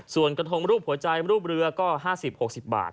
ส่วนกระทงรูปหัวใจรูปเรือก็๕๐๖๐บาท